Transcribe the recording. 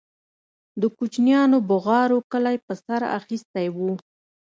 د كوچنيانو بوغارو كلى په سر اخيستى و.